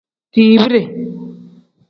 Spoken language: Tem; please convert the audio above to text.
Dibide.